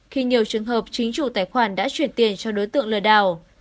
khi nhiều trường hợp chính chủ tài khoản đã chuyển tiền cho đối tượng lừa đảo